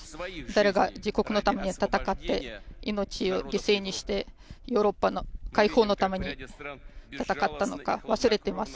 誰が自国のために戦って命を犠牲にしてヨーロッパの解放のために戦ったのか忘れてます。